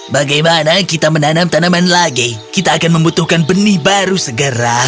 bagaimana kita menanam tanaman lagi kita akan membutuhkan benih baru segera